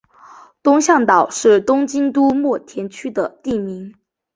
东向岛是东京都墨田区的地名。